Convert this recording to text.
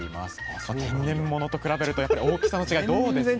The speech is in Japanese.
天然ものと比べるとやっぱり大きさの違いどうですか？